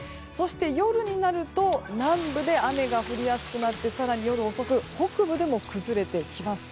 夜になると南部で雨が降りやすくなり更に夜遅く北部でも崩れてきます。